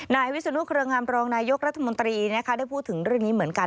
นายวิศนุเครืองามรองนายกรัฐมนตรีได้พูดถึงเรื่องนี้เหมือนกัน